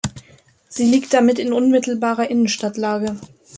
Sie liegt damit in unmittelbarer Innenstadtlage.